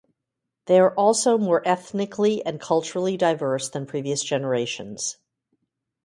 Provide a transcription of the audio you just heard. They are also more ethnically and culturally diverse than previous generations.